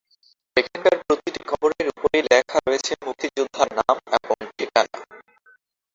এখানকার প্রতিটি কবরের উপরেই লেখা রয়েছে মুক্তিযোদ্ধার নাম এবং ঠিকানা।